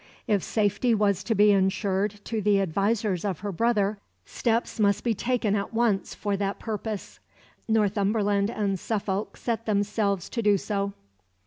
If safety was to be ensured to the advisers of her brother, steps must be taken at once for that purpose. Northumberland and Suffolk set themselves to do so.